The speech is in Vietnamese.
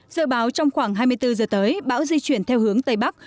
dự báo trong khoảng hai mươi bốn giờ tới bão di chuyển theo hướng tây bắc